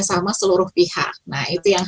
sama seluruh pihak nah itu yang